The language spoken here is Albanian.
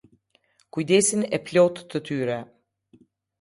Kujdesin e plotë të tyre.